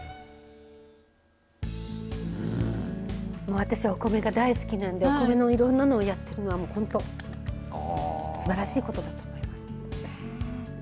私、お米が大好きなのでお米のいろんなのをやってるのは本当にすばらしいことだと思います。